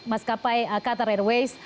mas kapai katar airways